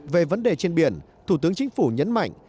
về vấn đề trên biển thủ tướng chính phủ nhấn mạnh